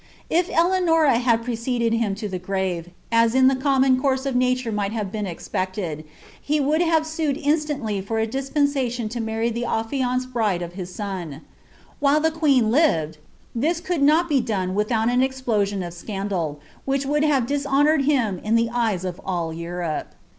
If Eleanoia lijid preceded him to the grave, as in the common courve of nature might have been expected, he would have sued instantly (or a dispensation lo marry the afliaiiced bride of his son. While the qown lived, this could not be done without an explosion of scandal, wliich would have dishonoured him in the eyes of all Europe.